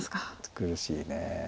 苦しいね。